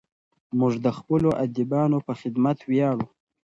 موږ د خپلو ادیبانو په خدمت ویاړو.